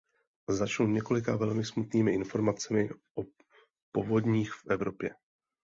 Začnu několika velmi smutnými informacemi o povodních v Evropě.